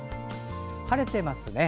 晴れていますね。